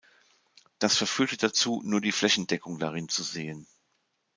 Das verführte dazu, nur die Flächendeckung darin zu sehen.